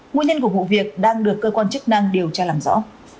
nguyên nhân của vụ việc đang được cơ quan chức năng điều tra làm rõ